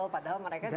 padahal mereka juga